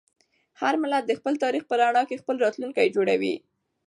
هر ملت د خپل تاریخ په رڼا کې خپل راتلونکی جوړوي.